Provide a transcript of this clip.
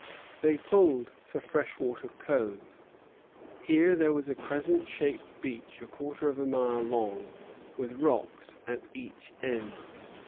They pulled for Freshwater Cove. Here there was a crescent shaped beach, a quarter of a mile long, with rocks at each end.